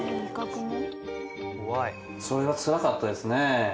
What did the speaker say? それはつらかったですねぇ。